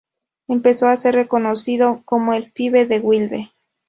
Empezó a ser reconocido como "El pibe de Wilde".